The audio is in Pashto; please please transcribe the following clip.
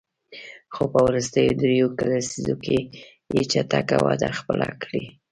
خو په وروستیو دریوو لسیزو کې یې چټکه وده خپله کړې.